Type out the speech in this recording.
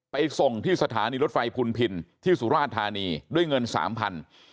ไปส่งที่สถานีรถไฟพุนพินที่สุราธานีด้วยเงินสามพัน